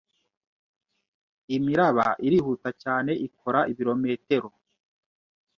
Imiraba irihuta cyane ikora ibirometero